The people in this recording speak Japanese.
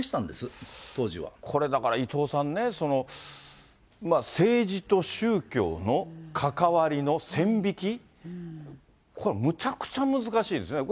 これ、だから、伊藤さんね、政治と宗教の関わりの線引き、これ、むちゃくちゃ難しいですね。